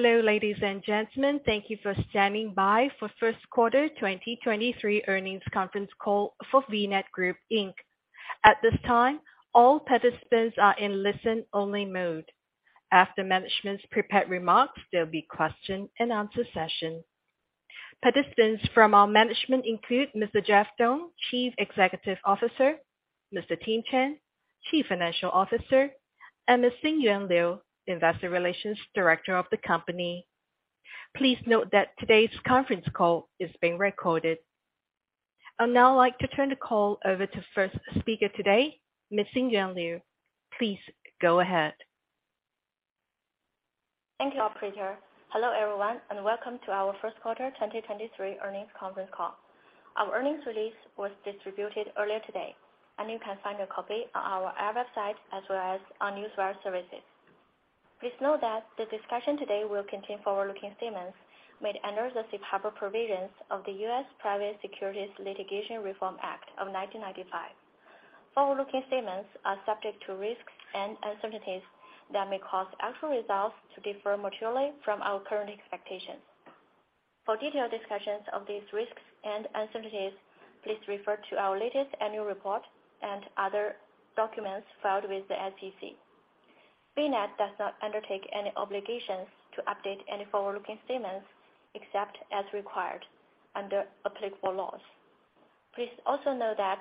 Hello, ladies and gentlemen. Thank you for standing by for first quarter 2023 earnings conference call for VNET Group, Inc.. At this time, all participants are in listen-only mode. After management's prepared remarks, there'll be question and answer session. Participants from our management include Mr. Jeff Dong, Chief Executive Officer, Mr. Tim Chen, Chief Financial Officer, andMs. Xinyuan Liu, Investor Relations Director of the company. Please note that today's conference call is being recorded. I'd now like to turn the call over to first speaker today, Ms. Xinyuan Liu. Please go ahead. Thank you, operator. Hello, everyone, and welcome to our first quarter 2023 earnings Conference Call. Our earnings release was distributed earlier today, and you can find a copy on our website as well as on news wire services. Please note that the discussion today will contain forward-looking statements made under the safe harbor provisions of the U.S. Private Securities Litigation Reform Act of 1995. Forward-looking statements are subject to risks and uncertainties that may cause actual results to differ materially from our current expectations. For detailed discussions of these risks and uncertainties, please refer to our latest annual report and other documents filed with the SEC. VNET does not undertake any obligations to update any forward-looking statements except as required under applicable laws. Please also know that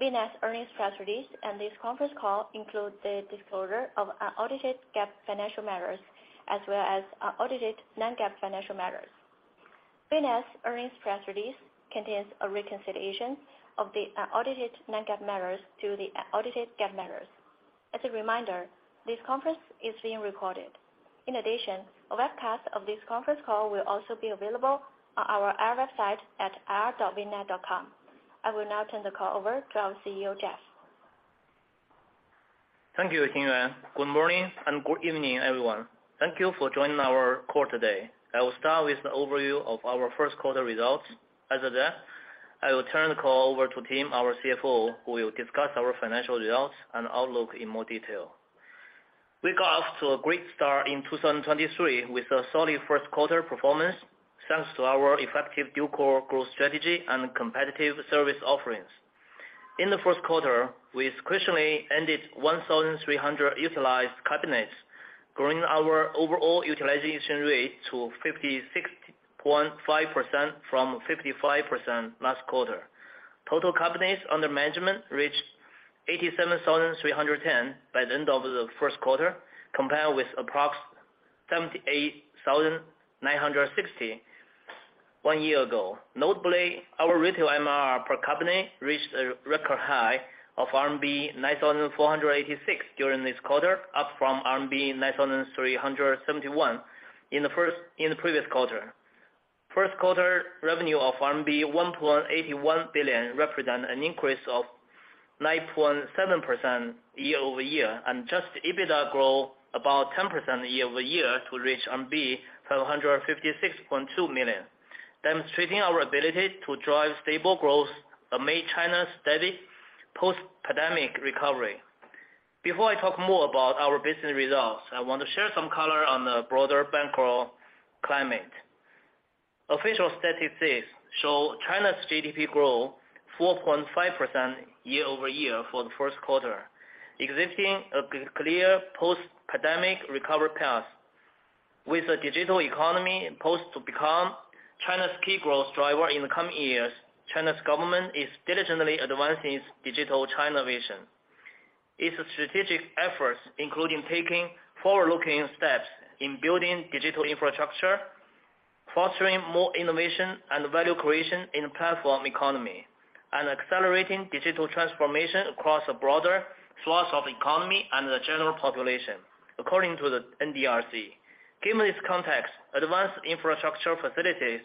VNET's earnings press release and this Conference Call include the disclosure of unaudited GAAP financial matters as well as unaudited non-GAAP financial matters. VNET's earnings press release contains a reconciliation of the unaudited non-GAAP matters to the unaudited GAAP matters. As a reminder, this conference is being recorded. In addition, a webcast of this conference call will also be available on our IR website at ir.vnet.com. I will now turn the call over to our CEO, Jeff. Thank you, Xinyuan. Good morning and good evening, everyone. Thank you for joining our call today. I will start with the overview of our first quarter results. After that, I will turn the call over to Tim, our CFO, who will discuss our financial results and outlook in more detail. We got off to a great start in 2023 with a solid first quarter performance, thanks to our effective dual-core growth strategy and competitive service offerings. In the first quarter, we successfully ended 1,300 utilized cabinets, growing our overall utilization rate to 56.5% from 55% last quarter. Total cabinets under management reached 87,310 by the end of the first quarter, compared with approx 78,961 one year ago. Notably, our retail MRR per cabinet reached a record high of RMB 9,486 during this quarter, up from RMB 9,371 in the previous quarter. First quarter revenue of RMB 1.81 billion represent an increase of 9.7% year-over-year, just EBITDA grow about 10% year-over-year to reach 756.2 million, demonstrating our ability to drive stable growth amid China's steady post-pandemic recovery. Before I talk more about our business results, I want to share some color on the broader macro climate. Official statistics show China's GDP grow 4.5% year-over-year for the first quarter, existing a clear post-pandemic recovery path. With the digital economy poised to become China's key growth driver in the coming years, China's government is diligently advancing its digital China vision. Its strategic efforts, including taking forward-looking steps in building digital infrastructure, fostering more innovation and value creation in the platform economy, and accelerating digital transformation across a broader swath of economy and the general population, according to the NDRC. Given this context, advanced infrastructure facilities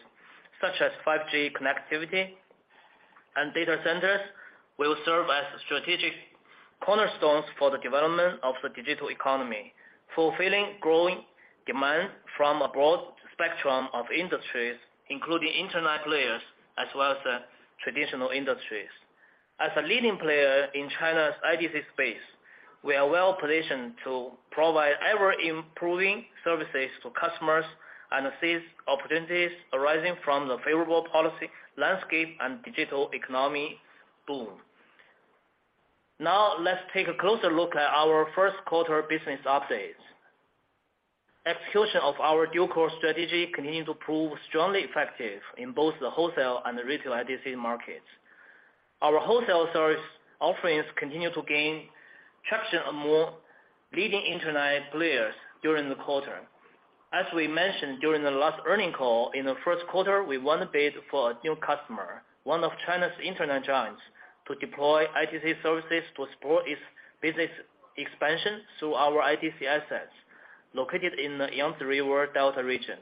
such as 5G connectivity and data centers will serve as strategic cornerstones for the development of the digital economy, fulfilling growing demand from a broad spectrum of industries, including internet players as well as the traditional industries. As a leading player in China's IDC space, we are well-positioned to provide ever-improving services to customers and seize opportunities arising from the favorable policy landscape and digital economy boom. Now, let's take a closer look at our first quarter business updates. Execution of our dual-core strategy continued to prove strongly effective in both the wholesale and the retail IDC markets. Our wholesale service offerings continued to gain traction among leading internet players during the quarter. As we mentioned during the last earnings call, in the first quarter, we won a bid for a new customer, one of China's internet giants, to deploy IDC services to support its business expansion through our IDC assets located in the Yangtze River Delta region.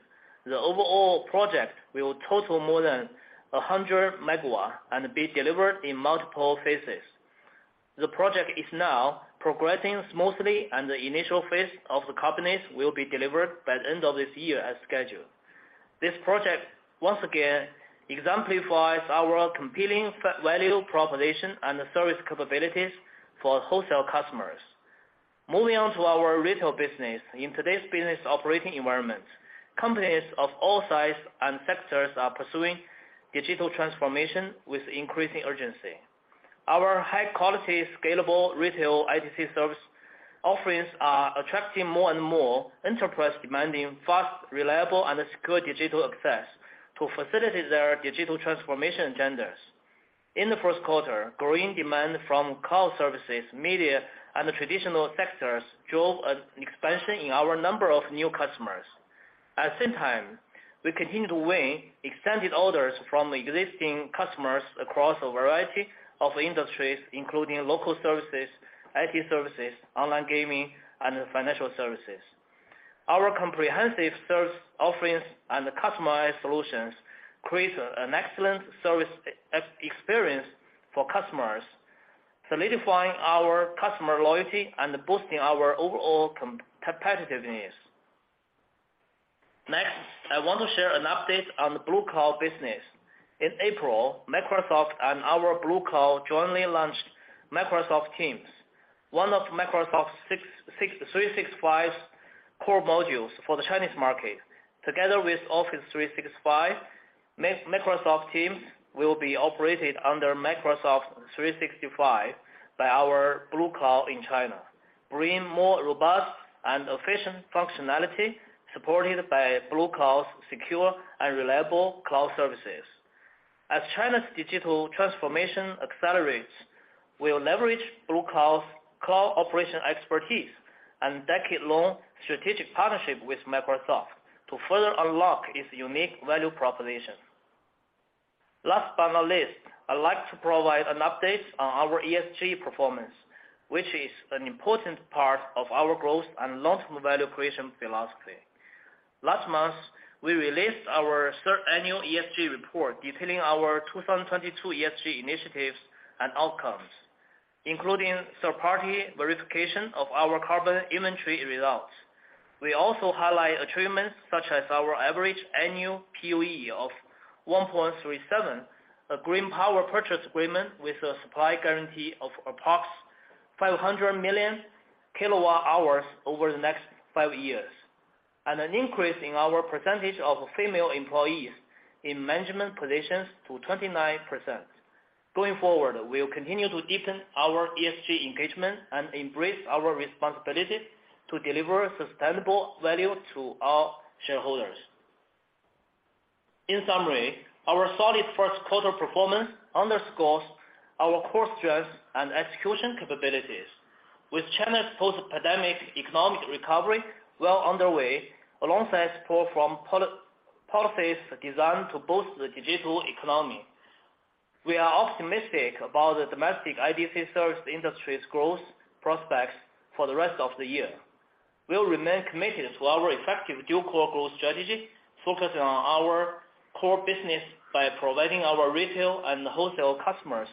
The overall project will total more than 100 megawatt and be delivered in multiple phases. The project is now progressing smoothly, and the initial phase of the cabinets will be delivered by the end of this year as scheduled. This project once again exemplifies our compelling value proposition and service capabilities for wholesale customers. Moving on to our retail business. In today's business operating environment, companies of all sizes and sectors are pursuing digital transformation with increasing urgency. Our high-quality, scalable retail IDC service offerings are attracting more and more enterprise demanding fast, reliable, and secure digital access to facilitate their digital transformation agendas. In the first quarter, growing demand from cloud services, media, and the traditional sectors drove an expansion in our number of new customers. At the same time, we continue to win extended orders from existing customers across a variety of industries, including local services, IT services, online gaming, and financial services. Our comprehensive service offerings and customized solutions create an excellent service experience for customers, solidifying our customer loyalty and boosting our overall competitiveness. Next, I want to share an update on the BlueCloud business. In April, Microsoft and our BlueCloud jointly launched Microsoft Teams, one of Microsoft 365's core modules for the Chinese market. Together with Office 365, Microsoft Teams will be operated under Microsoft 365 by our BlueCloud in China, bringing more robust and efficient functionality supported by BlueCloud's secure and reliable cloud services. As China's digital transformation accelerates, we'll leverage BlueCloud's cloud operation expertise and decade-long strategic partnership with Microsoft to further unlock its unique value proposition. Last but not least, I'd like to provide an update on our ESG performance, which is an important part of our growth and long-term value creation philosophy. Last month, we released our third annual ESG report detailing our 2022 ESG initiatives and outcomes, including third-party verification of our carbon inventory results. We also highlight achievements such as our average annual PUE of 1.37, a green power purchase agreement with a supply guarantee of approx 500 million kWh over the next five years, and an increase in our percentage of female employees in management positions to 29%. Going forward, we will continue to deepen our ESG engagement and embrace our responsibility to deliver sustainable value to our shareholders. In summary, our solid first quarter performance underscores our core strengths and execution capabilities. With China's post-pandemic economic recovery well underway, alongside support from policies designed to boost the digital economy, we are optimistic about the domestic IDC service industry's growth prospects for the rest of the year. We'll remain committed to our effective dual-core growth strategy, focusing on our core business by providing our retail and wholesale customers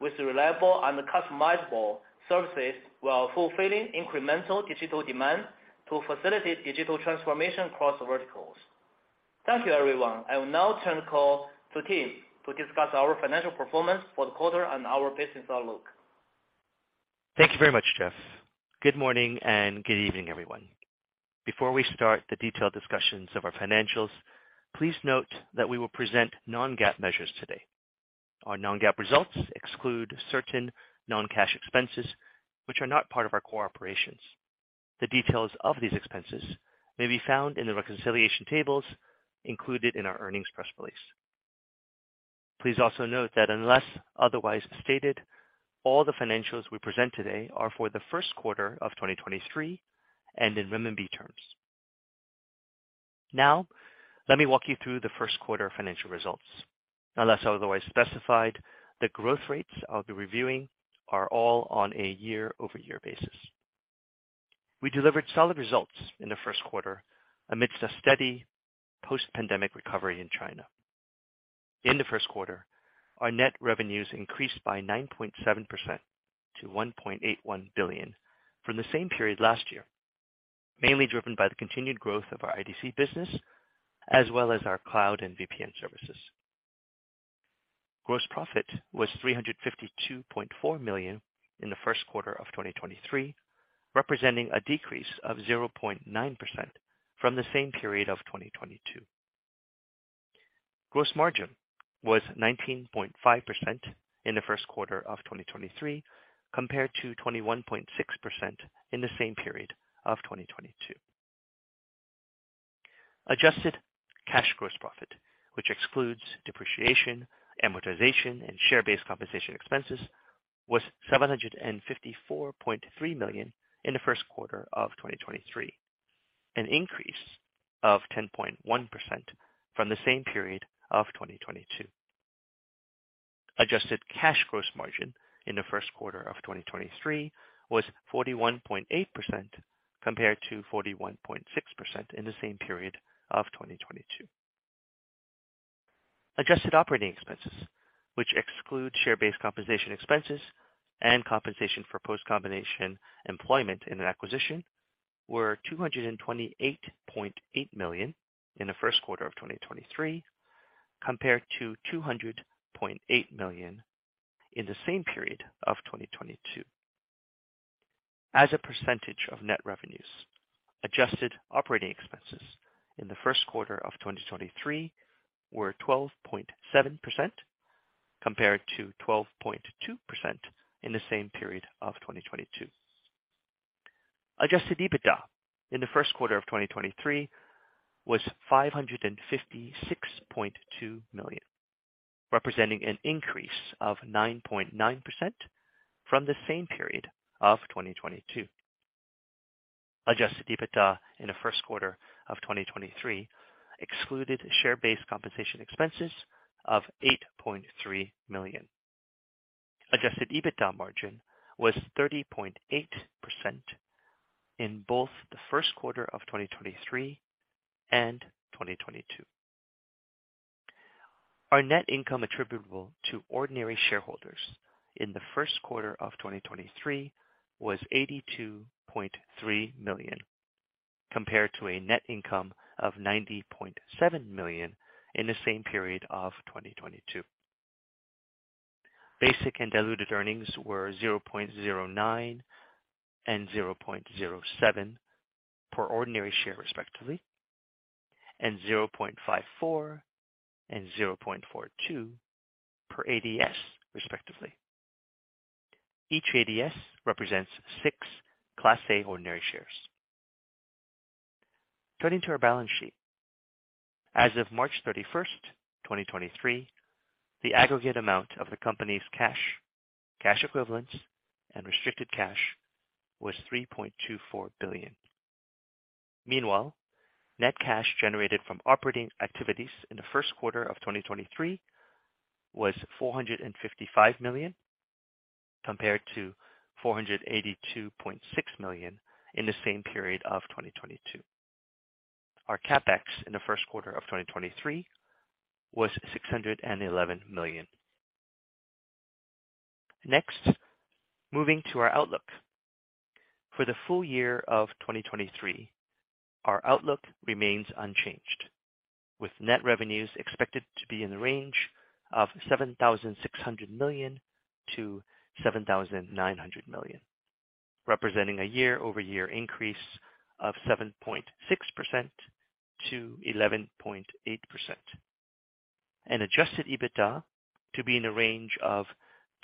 with reliable and customizable services while fulfilling incremental digital demand to facilitate digital transformation across verticals. Thank you, everyone. I will now turn the call to Tim to discuss our financial performance for the quarter and our business outlook. Thank you very much, Jeff. Good morning and good evening, everyone. Before we start the detailed discussions of our financials, please note that we will present non-GAAP measures today. Our non-GAAP results exclude certain non-cash expenses, which are not part of our core operations. The details of these expenses may be found in the reconciliation tables included in our earnings press release. Please also note that unless otherwise stated, all the financials we present today are for the first quarter of 2023 and in renminbi terms. Now, let me walk you through the first quarter financial results. Unless otherwise specified, the growth rates I'll be reviewing are all on a year-over-year basis. We delivered solid results in the first quarter amidst a steady post-pandemic recovery in China. In the first quarter, our net revenues increased by 9.7% to $1.81 billion from the same period last year, mainly driven by the continued growth of our IDC business, as well as our cloud and VPN services. Gross profit was $352.4 million in the first quarter of 2023, representing a decrease of 0.9% from the same period of 2022. Gross margin was 19.5% in the first quarter of 2023, compared to 21.6% in the same period of 2022. Adjusted cash gross profit, which excludes depreciation, amortization, and share-based compensation expenses, was $754.3 million in the first quarter of 2023, an increase of 10.1% from the same period of 2022. Adjusted cash gross margin in the first quarter of 2023 was 41.8% compared to 41.6% in the same period of 2022. Adjusted operating expenses, which exclude share-based compensation expenses and compensation for post-combination employment in an acquisition were 228.8 million in the first quarter of 2023, compared to 200.8 million in the same period of 2022. As a percentage of net revenues, adjusted operating expenses in the first quarter of 2023 were 12.7% compared to 12.2% in the same period of 2022. Adjusted EBITDA in the first quarter of 2023 was 556.2 million, representing an increase of 9.9% from the same period of 2022. Adjusted EBITDA in the first quarter of 2023 excluded share-based compensation expenses of $8.3 million. Adjusted EBITDA margin was 30.8% in both the first quarter of 2023 and 2022. Our net income attributable to ordinary shareholders in the first quarter of 2023 was $82.3 million, compared to a net income of $90.7 million in the same period of 2022. Basic and diluted earnings were $0.09 and $0.07 per ordinary share respectively, and $0.54 and $0.42 per ADS respectively. Each ADS represents six Class A ordinary shares. Turning to our balance sheet. As of March 31st, 2023, the aggregate amount of the company's cash equivalents, and restricted cash was $3.24 billion. Meanwhile, net cash generated from operating activities in the first quarter of 2023 was 455 million, compared to 482.6 million in the same period of 2022. Our CapEx in the first quarter of 2023 was 611 million. Next, moving to our outlook. For the full year of 2023, our outlook remains unchanged, with net revenues expected to be in the range of 7,600 million-7,900 million, representing a year-over-year increase of 7.6%-11.8%. Adjusted EBITDA to be in the range of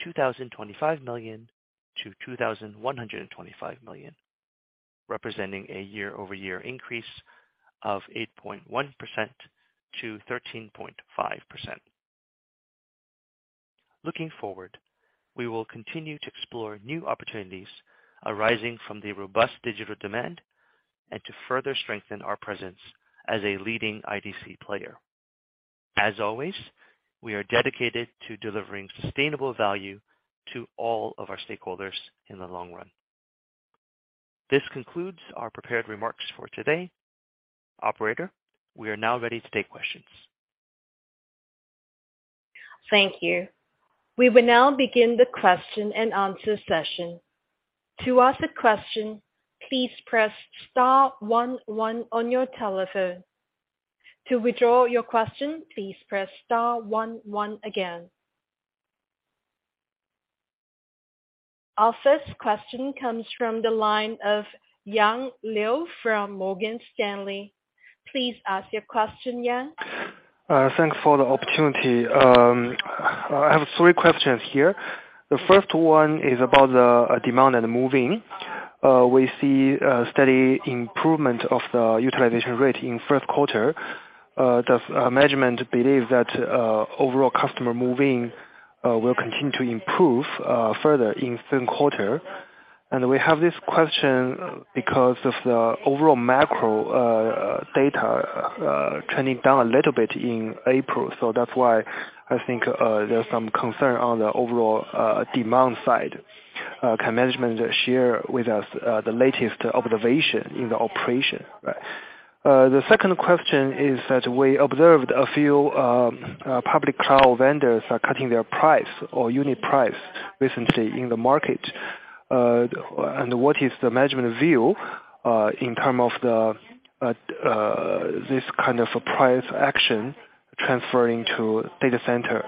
2,025 million-2,125 million, representing a year-over-year increase of 8.1%-13.5%. Looking forward, we will continue to explore new opportunities arising from the robust digital demand and to further strengthen our presence as a leading IDC player. As always, we are dedicated to delivering sustainable value to all of our stakeholders in the long run. This concludes our prepared remarks for today. Operator, we are now ready to take questions. Thank you. We will now begin the question-and-answer session. To ask a question, please press star one one on your telephone. To withdraw your question, please press star one one again. Our first question comes from the line of Yang Liu from Morgan Stanley. Please ask your question, Yang. Thanks for the opportunity. I have three questions here. The first one is about the demand and move-in. We see a steady improvement of the utilization rate in first quarter. Does management believe that overall customer move-in will continue to improve further in third quarter? We have this question because of the overall macro data turning down a little bit in April. That's why I think there's some concern on the overall demand side. Can management share with us the latest observation in the operation? The second question is that we observed a few public cloud vendors are cutting their price or unit price recently in the market. What is the management view in term of the this kind of price action transferring to data center?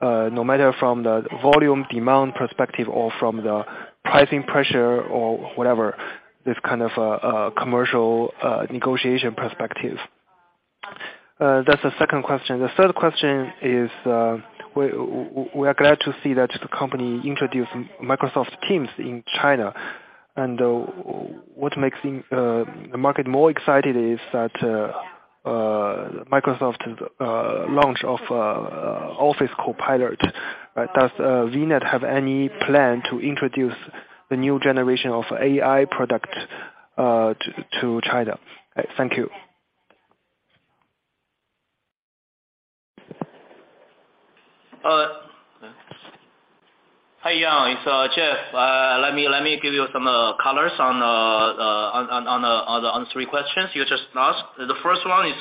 No matter from the volume demand perspective or from the pricing pressure or whatever, this kind of commercial negotiation perspective. That's the second question. The third question is, we are glad to see that the company introduced Microsoft Teams in China. What makes the market more excited is that Microsoft launch of Office Copilot. Does VNET have any plan to introduce the new generation of AI product to China? Thank you. Hi, Yang. It's Jeff. Let me give you some colors on the three questions you just asked. The first one is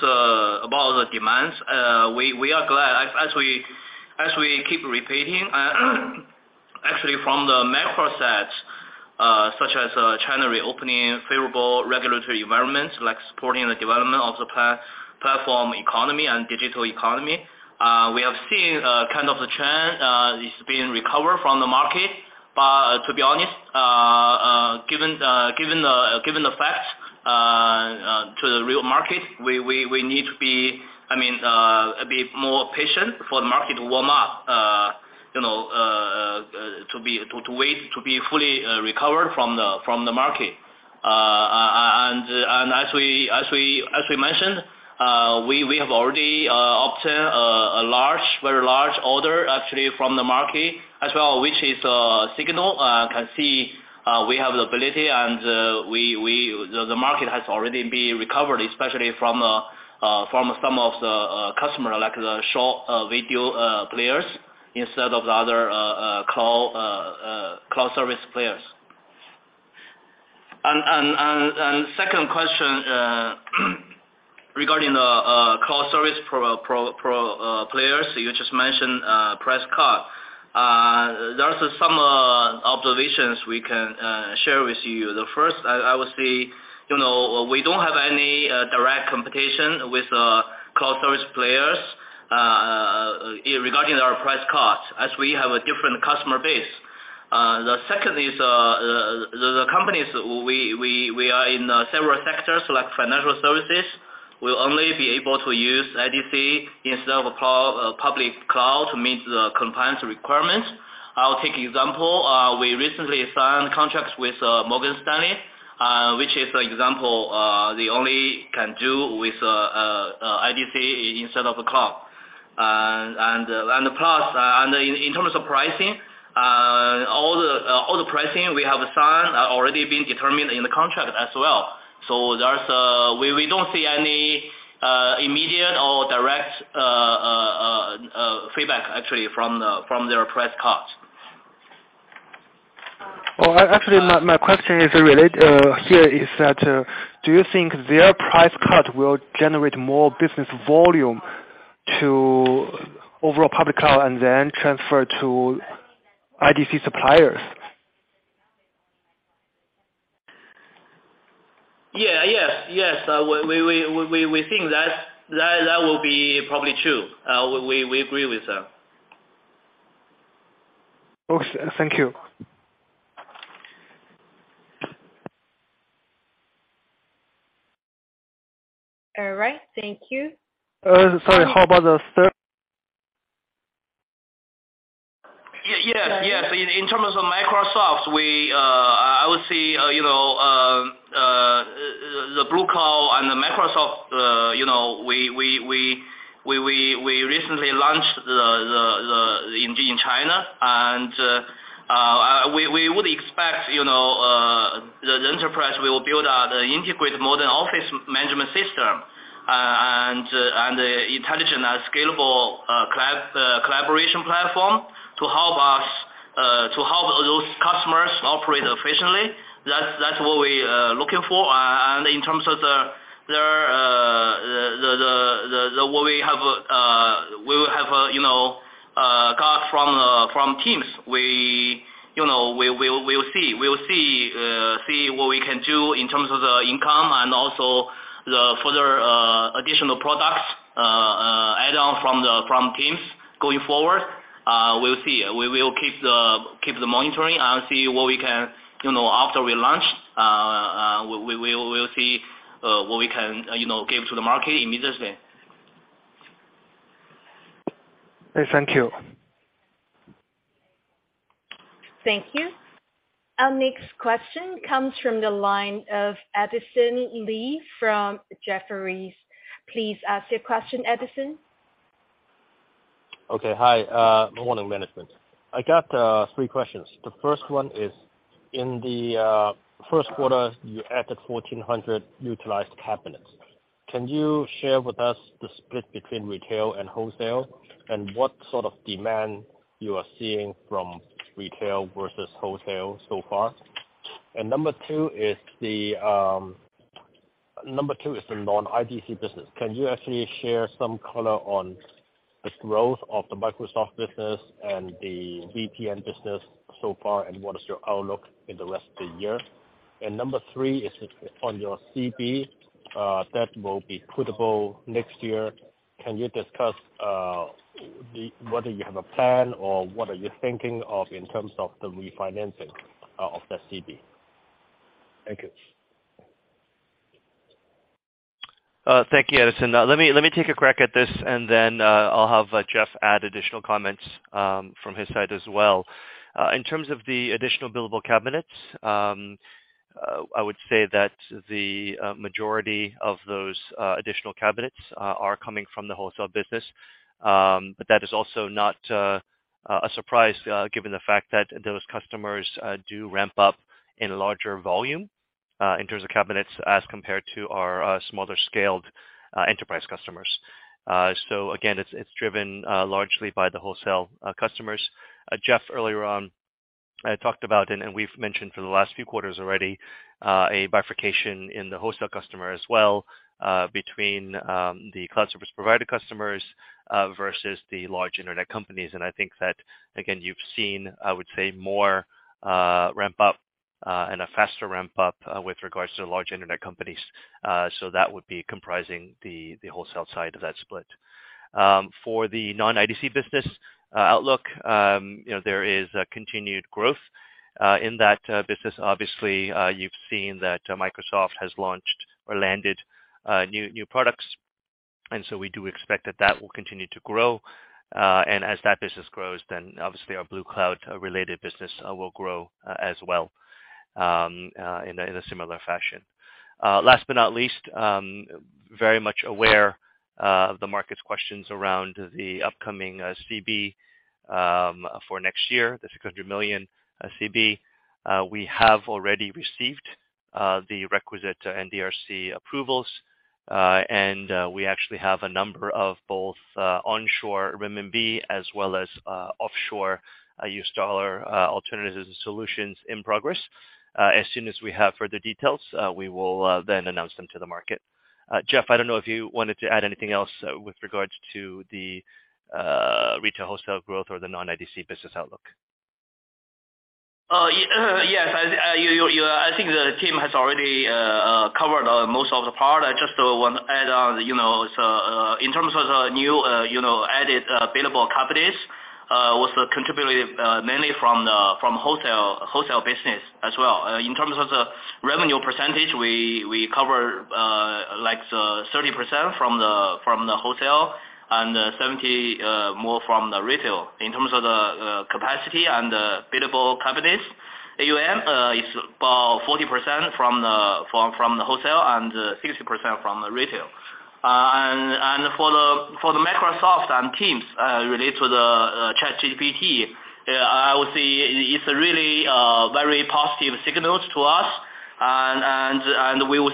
about the demands. We are glad as we keep repeating. Actually, from the macro sets, such as China reopening favorable regulatory environments like supporting the development of the platform economy and digital economy, we have seen kind of the trend is being recovered from the market. To be honest, given the fact to the real market, we need to be, I mean, a bit more patient for the market to warm up. You know, to wait to be fully recovered from the market. As we mentioned, we have already obtained a large, very large order actually from the market as well, which is a signal, can see, we have the ability and the market has already been recovered especially from some of the customer like the short video players instead of the other cloud service players. Second question, regarding the cloud service players, you just mentioned price cut. There are some observations we can share with you. The first I would say, you know, we don't have any direct competition with cloud service players regarding our price cuts, as we have a different customer base. The second is, the companies we are in several sectors like financial services will only be able to use IDC instead of a cloud, a public cloud to meet the compliance requirements. I'll take example. We recently signed contracts with Morgan Stanley, which is an example. They only can do with IDC instead of a cloud. Plus, in terms of pricing, all the pricing we have signed are already been determined in the contract as well. There's, we don't see any immediate or direct feedback actually from their price cut. Well, actually my question is relate here is that, do you think their price cut will generate more business volume to overall public cloud and then transfer to IDC suppliers? Yeah. Yes. We think that will be probably true. We agree with that. Okay. Thank you. All right. Thank you. Sorry, how about the third-? Yes, yes. In terms of Microsoft, we, I would say, you know, the Blue Cloud and Microsoft, you know, we recently launched the in China. We would expect, you know, the enterprise will build out integrated modern office management system and intelligent and scalable collaboration platform to help us to help those customers operate efficiently. That's what we looking for. In terms of their the what we have, we will have, you know, cloud from Teams. We, you know, we'll see. We'll see what we can do in terms of the income and also the further additional products add on from Teams going forward. We'll see. We will keep the, keep the monitoring and see what we can, you know, after we launch, we'll see what we can, you know, give to the market immediately. Thank you. Thank you. Our next question comes from the line of Edison Lee from Jefferies. Please ask your question, Edison. Okay. Hi. Good morning management. I got 3 questions. The first one is, in the first quarter you added 1,400 utilized cabinets. Can you share with us the split between retail and wholesale and what sort of demand you are seeing from retail versus wholesale so far? Number 2 is the non-IDC business. Can you actually share some color on the growth of the Microsoft business and the VPN business so far, and what is your outlook in the rest of the year? Number 3 is on your CB that will be puttable next year. Can you discuss whether you have a plan or what are you thinking of in terms of the refinancing of the CB? Thank you. Thank you, Edison. Let me, let me take a crack at this and then, I'll have Jeff add additional comments from his side as well. In terms of the additional billable cabinets, I would say that the majority of those additional cabinets are coming from the wholesale business. That is also not a surprise, given the fact that those customers do ramp up in larger volume in terms of cabinets as compared to our smaller scaled enterprise customers. Again, it's driven largely by the wholesale customers. Jeff, earlier on, I talked about and we've mentioned for the last few quarters already, a bifurcation in the wholesale customer as well, between the cloud service provider customers, versus the large internet companies. I think that again, you've seen, I would say, more ramp up and a faster ramp up with regards to large internet companies. That would be comprising the wholesale side of that split. For the non-IDC business outlook, you know, there is a continued growth in that business. Obviously, you've seen that Microsoft has launched or landed new products. We do expect that that will continue to grow. As that business grows, then obviously our BlueCloud related business will grow as well in a similar fashion. Last but not least, very much aware of the market's questions around the upcoming CB for next year, the $600 million CB. We have already received the requisite NDRC approvals. We actually have a number of both, onshore renminbi as well as, offshore U.S. dollar, alternatives solutions in progress. As soon as we have further details, we will then announce them to the market. Jeff, I don't know if you wanted to add anything else, with regards to the retail wholesale growth or the non-IDC business outlook. Inc. (NASDAQ: VNET) Q4 2023 Earnings Call We will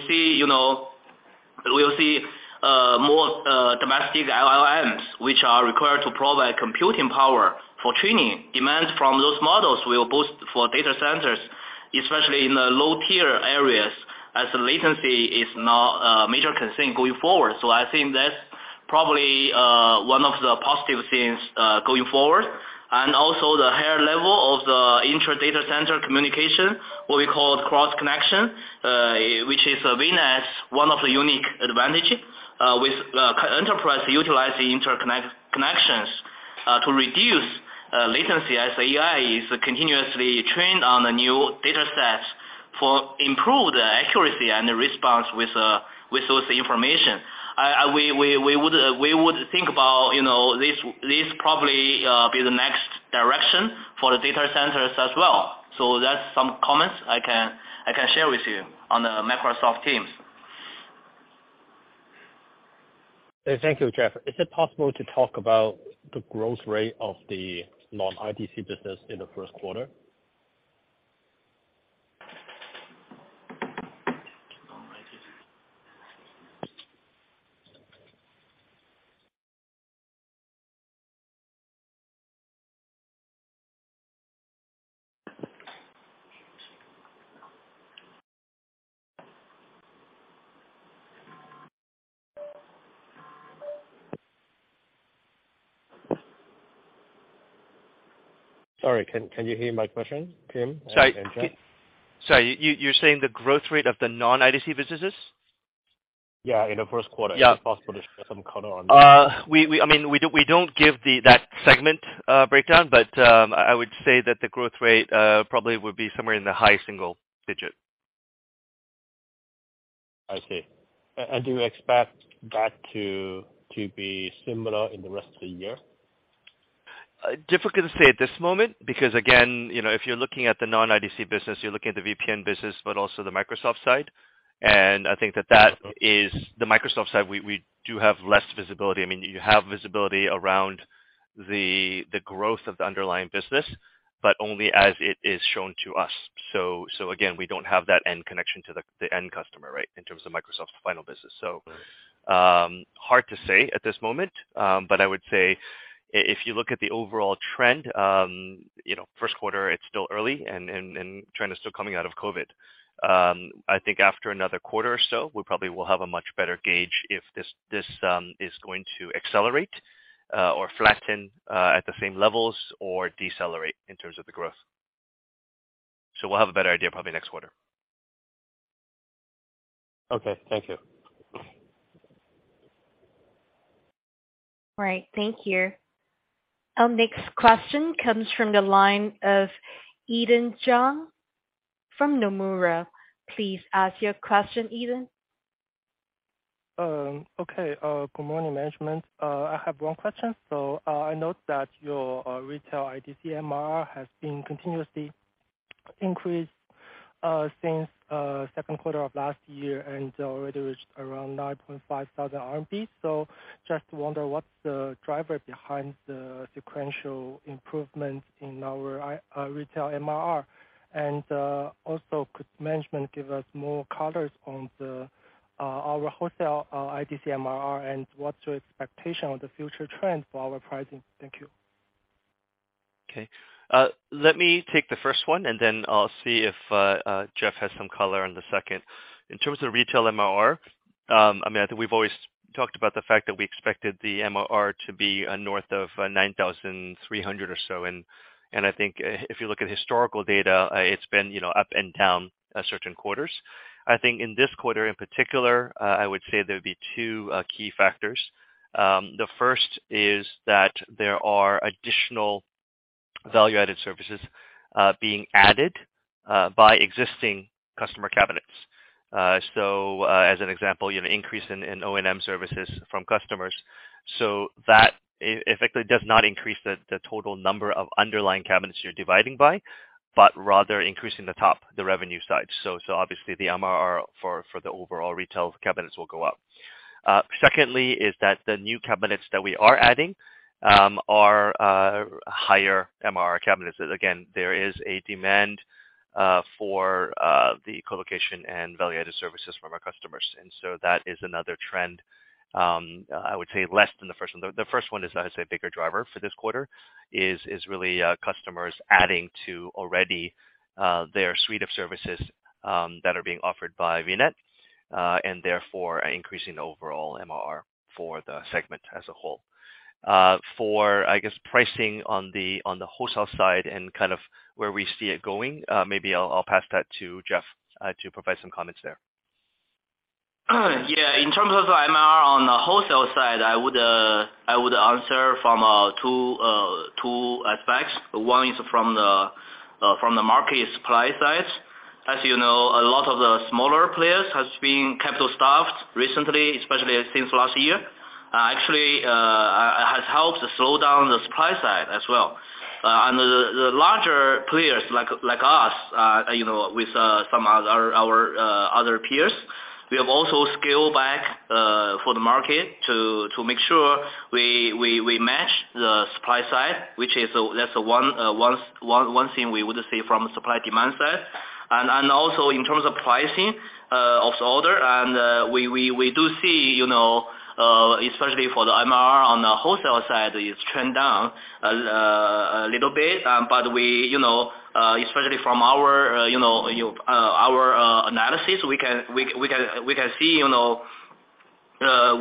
see, you know, we'll see more domestic LLMs, which are required to provide computing power for training. Demand from those models will boost for data centers, especially in the low-tier areas, as latency is now a major concern going forward. I think that's probably one of the positive things going forward. Also the higher level of the intra data center communication, what we call cross connection, which is a VNET one of the unique advantage, with enterprise utilizing interconnect-connections, to reduce latency as AI is continuously trained on the new data sets for improved accuracy and response with those information. We would think about, you know, this probably be the next direction for the data centers as well. That's some comments I can share with you on the Microsoft Teams. Thank you, Jeff. Is it possible to talk about the growth rate of the non-IDC business in the first quarter? Sorry, can you hear my question, Tim and Jeff? Sorry. You're saying the growth rate of the non-IDC businesses? Yeah, in the first quarter. Yeah. If possible, just some color on that. We, I mean, we don't give that segment breakdown, but I would say that the growth rate probably would be somewhere in the high single digit. I see. Do you expect that to be similar in the rest of the year? Difficult to say at this moment because again, you know, if you're looking at the non-IDC business, you're looking at the VPN business but also the Microsoft side. I think that is the Microsoft side, we do have less visibility. I mean, you have visibility around the growth of the underlying business, but only as it is shown to us. Again, we don't have that end connection to the end customer, right? In terms of Microsoft's final business. Right. Hard to say at this moment. I would say if you look at the overall trend, you know, first quarter, it's still early and China is still coming out of COVID. I think after another quarter or so, we probably will have a much better gauge if this, is going to accelerate, or flatten, at the same levels or decelerate in terms of the growth. We'll have a better idea probably next quarter. Okay. Thank you. All right. Thank you. Our next question comes from the line of Ethan Zhang from Nomura. Please ask your question, Ethan. Okay. Good morning, management. I have one question. I note that your retail IDC MR has been continuously Increase since second quarter of last year and already reached around 9,500 RMB. Just wonder what's the driver behind the sequential improvement in our retail MRR. Also could management give us more colors on our wholesale IDC MRR and what's your expectation on the future trend for our pricing? Thank you. Okay. Let me take the first one, then I'll see if Jeff has some color on the second. In terms of retail MRR, I mean, I think we've always talked about the fact that we expected the MRR to be north of 9,300 or so. I think if you look at historical data, it's been, you know, up and down certain quarters. I think in this quarter in particular, I would say there'd be two key factors. The first is that there are additional value-added services being added by existing customer cabinets. So, as an example, you have increase in O&M services from customers. So that effectively does not increase the total number of underlying cabinets you're dividing by, but rather increasing the top, the revenue side. Obviously the MRR for the overall retail cabinets will go up. Secondly is that the new cabinets that we are adding are higher MRR cabinets. Again, there is a demand for the co-location and value-added services from our customers, that is another trend. I would say less than the first one. The first one is, how you say, bigger driver for this quarter, is really customers adding to already their suite of services that are being offered by VNET, increasing the overall MRR for the segment as a whole. For, I guess, pricing on the wholesale side and kind of where we see it going, maybe I'll pass that to Jeff to provide some comments there. Yeah. In terms of MRR on the wholesale side, I would answer from two aspects. One is from the market supply side. As you know, a lot of the smaller players has been capital-starved recently, especially since last year. Actually, has helped to slow down the supply side as well. The larger players like us, you know, with our other peers, we have also scaled back for the market to make sure we match the supply side. That's the one thing we would see from supply demand side. Also in terms of pricing of the order and we do see, you know, especially for the MRR on the wholesale side, it's trend down a little bit. We, you know, especially from our, you know, our analysis, we can see, you know,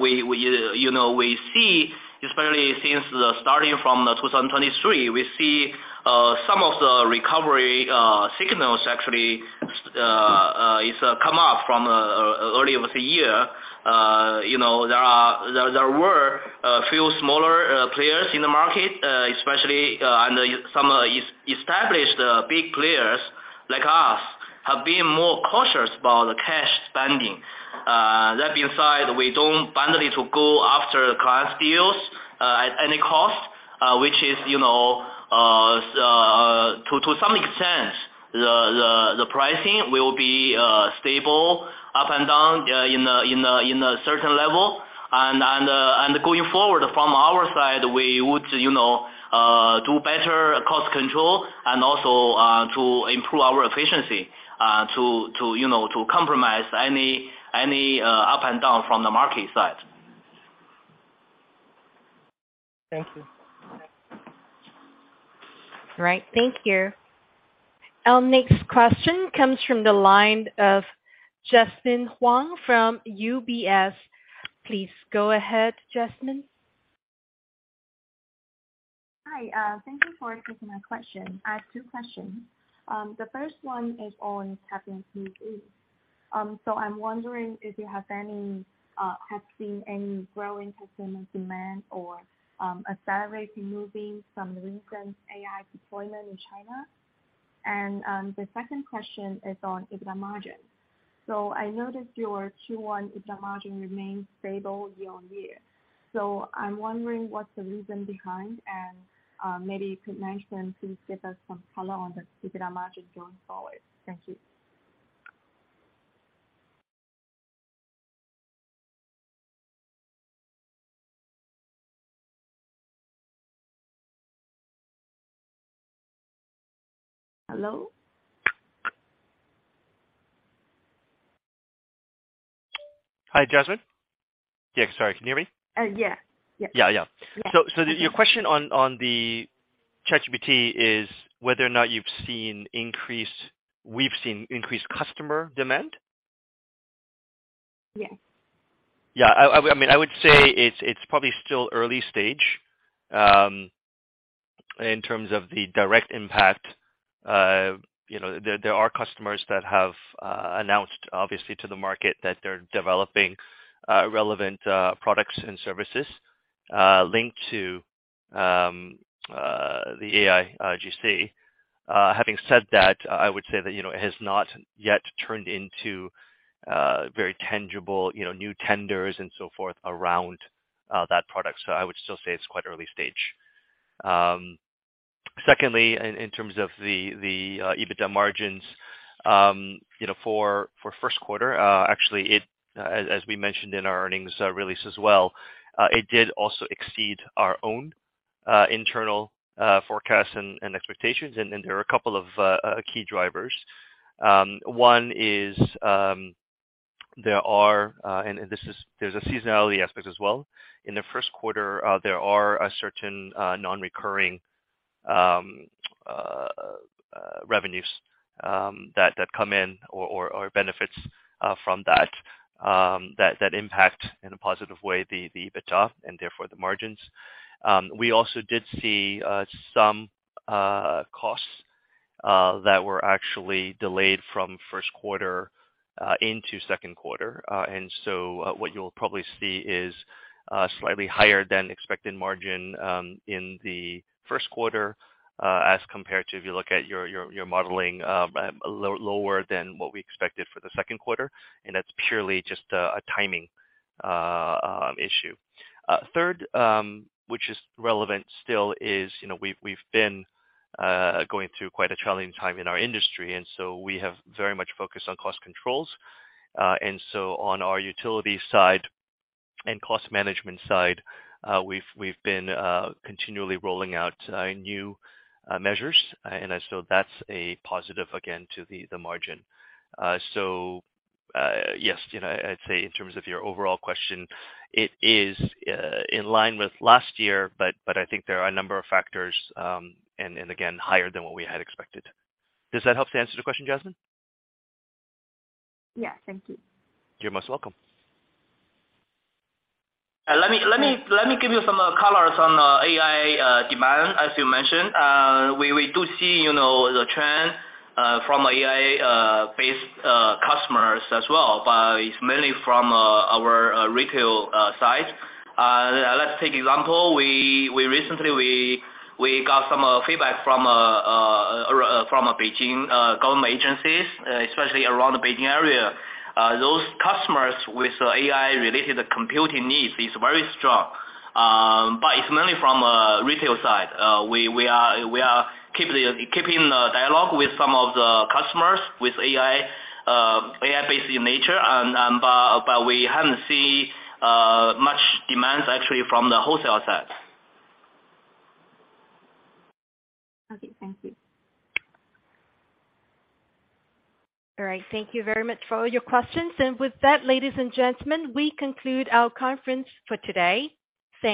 we, you know, we see especially since the starting from the 2023, we see some of the recovery signals actually is come up from early of the year. You know, there were a few smaller players in the market, especially, and some established big players like us have been more cautious about the cash spending. That being said, we don't finally to go after client deals at any cost, which is, you know, to some extent, the pricing will be stable up and down in a certain level. Going forward from our side, we would, you know, do better cost control and also to improve our efficiency to, you know, to compromise any up and down from the market side. Thank you. All right. Thank you. Our next question comes from the line of Jasmine Huang from UBS. Please go ahead, Jasmine. Hi. Thank you for taking my question. I have two questions. The first one is on ChatGPT. I'm wondering if you have any, have seen any growing customer demand or accelerate removing some recent AI deployment in China. The second question is on EBITDA margin. I noticed your Q1 EBITDA margin remained stable year-on-year. I'm wondering what's the reason behind, and maybe you could mention, please give us some color on the EBITDA margin going forward. Thank you. Hello? Hi, Jasmine? Yeah, sorry. Can you hear me? Yeah. Yeah. Yeah, yeah. Yeah. Your question on the ChatGPT is whether or not we've seen increased customer demand? Yes. Yeah. I mean, I would say it's probably still early stage in terms of the direct impact. You know, there are customers that have announced obviously to the market that they're developing relevant products and services linked to the AI AIGC. Having said that, I would say that, you know, it has not yet turned into very tangible, you know, new tenders and so forth around that product. So I would still say it's quite early stage. Secondly, in terms of the EBITDA margins, you know, for first quarter, actually it as we mentioned in our earnings release as well, it did also exceed our own internal forecasts and expectations. There are a couple of key drivers. One is, there's a seasonality aspect as well. In the first quarter, there are a certain non-recurring revenues that come in or benefits from that impact in a positive way the EBITDA and therefore the margins. We also did see some costs that were actually delayed from first quarter into second quarter. What you'll probably see is slightly higher than expected margin in the first quarter as compared to if you look at your modeling, lower than what we expected for the second quarter. That's purely just a timing issue. Third, which is relevant still is, you know, we've been going through quite a challenging time in our industry, we have very much focused on cost controls. On our utility side and cost management side, we've been continually rolling out new measures. That's a positive again to the margin. Yes, you know, I'd say in terms of your overall question, it is in line with last year, but I think there are a number of factors, and again, higher than what we had expected. Does that help to answer the question, Jasmine? Yeah. Thank you. You're most welcome. And let me- Thanks. Let me give you some colors on AI demand, as you mentioned. We do see, you know, the trend from AI based customers as well, but it's mainly from our retail side. Let's take example. We recently got some feedback from a Beijing government agencies, especially around the Beijing area. Those customers with AI related computing needs is very strong. It's mainly from retail side. We are keeping the dialogue with some of the customers with AI AI-based in nature and, but we haven't seen much demands actually from the wholesale side. Okay. Thank you. All right. Thank you very much for all your questions. With that, ladies and gentlemen, we conclude our conference for today.